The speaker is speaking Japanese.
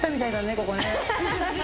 ここね。